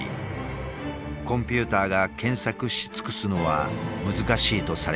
コンピューターが検索し尽くすのは難しいとされていた。